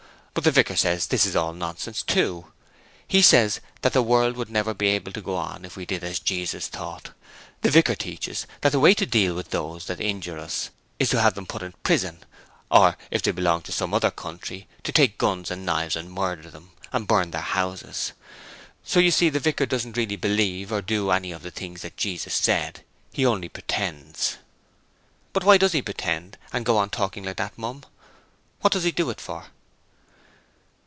But the vicar says this is all nonsense too. He says that the world would never be able to go on if we did as Jesus taught. The vicar teaches that the way to deal with those that injure us is to have them put into prison, or if they belong to some other country to take guns and knives and murder them, and burn their houses. So you see the vicar doesn't really believe or do any of the things that Jesus said: he only pretends.' 'But why does he pretend, and go about talking like that, Mum? What does he do it for?'